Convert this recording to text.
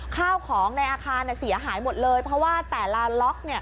ข้าวของในอาคารเสียหายหมดเลยเพราะว่าแต่ละล็อกเนี่ย